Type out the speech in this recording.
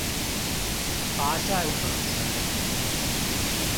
乏善可陳